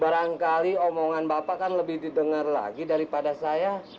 barangkali omongan bapak kan lebih didengar lagi daripada saya